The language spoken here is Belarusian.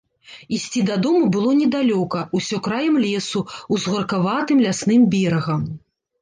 Ісці дадому было недалёка, усё краем лесу, узгоркаватым лясным берагам.